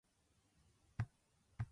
日本の食品ロスは深刻だ。